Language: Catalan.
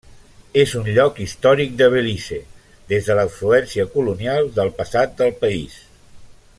És un lloc històric de Belize des de la influència colonial del passat del país.